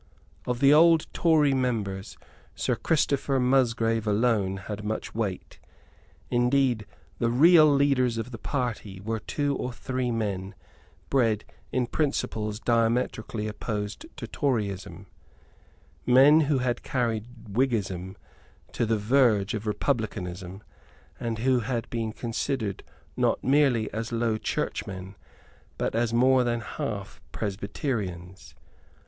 Of the old Tory members Sir Christopher Musgrave alone had much weight. Indeed the real leaders of the party were two or three men bred in principles diametrically opposed to Toryism, men who had carried Whiggism to the verge of republicanism, and who had been considered not merely as Low Churchmen, but as more than half Presbyterians.